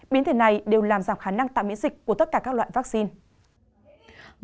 biến thể này đều làm giảm khả năng tạm miễn dịch của tất cả các loại vaccine